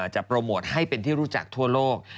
โปรโมทให้เป็นที่รู้จักทั่วโลก